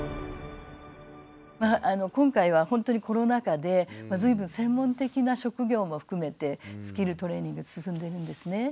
まあ今回はほんとにコロナ禍で随分専門的な職業も含めてスキルトレーニング進んでいるんですね。